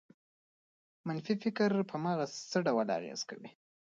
منفي فکر په مغز څه ډول اغېز کوي؟